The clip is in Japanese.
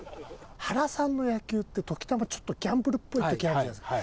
原さんの野球って時たまちょっとギャンブルっぽい時あるじゃないですか。